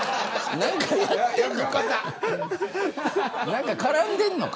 何か絡んでるのか。